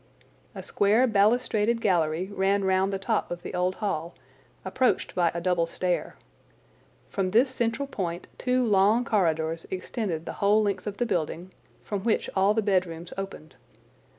A square balustraded gallery ran round the top of the old hall, approached by a double stair. From this central point two long corridors extended the whole length of the building, from which all the bedrooms opened.